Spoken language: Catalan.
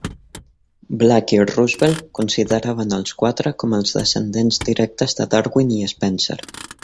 Black i Roosevelt consideraven als Quatre com els descendents directes de Darwin i Spencer.